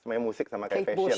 semuanya musik sama kayak fashion